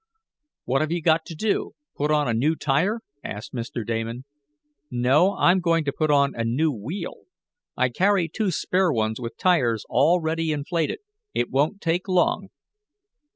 "What have you got to do; put on a new tire?" asked Mr. Damon. "No, I'm going to put on a new wheel. I carry two spare ones with tires all ready inflated. It won't take long."